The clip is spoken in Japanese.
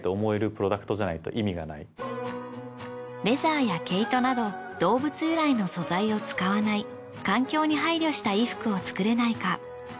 レザーや毛糸など動物由来の素材を使わない環境に配慮した衣服を作れないか。